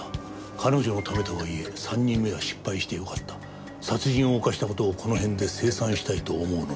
「彼女のためとはいえ三人目は失敗してよかった」「殺人を犯したことをこの辺で清算したいと思うのです」